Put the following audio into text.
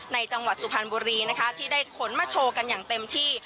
จังหวัดสุพรรณบุรีนะคะที่ได้ขนมาโชว์กันอย่างเต็มที่